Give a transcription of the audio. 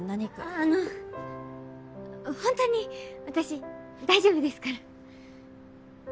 あのほんとに私大丈夫ですから。